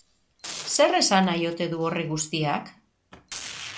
Zer esan nahi ote du horrek guztiak?